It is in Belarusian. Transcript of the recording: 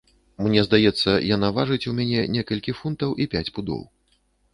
Мне здаецца, яна важыць у мяне некалькі фунтаў і пяць пудоў.